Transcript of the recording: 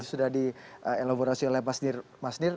sudah dielaborasi oleh mas nir